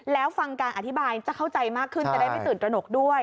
แล้วฟังการอธิบายจะเข้าใจมากขึ้นจะได้ไม่ตื่นตระหนกด้วย